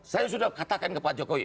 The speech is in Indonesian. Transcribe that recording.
saya sudah katakan ke pak jokowi